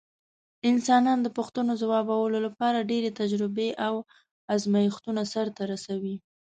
انسانان د پوښتنو ځوابولو لپاره ډېرې تجربې او ازمېښتونه سرته رسوي.